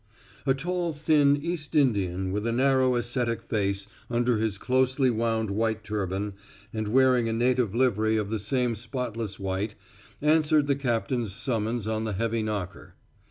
A tall thin East Indian with a narrow ascetic face under his closely wound white turban, and wearing a native livery of the same spotless white, answered the captain's summons on the heavy knocker.